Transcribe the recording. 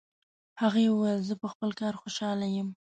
هغې وویل چې زه په خپل کار خوشحاله یم